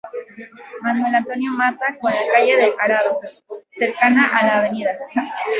Manuel Antonio Matta con la calle Del Arado —cercana a la Av.